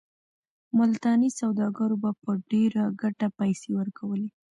ملتاني سوداګرو به په ډېره ګټه پیسې ورکولې.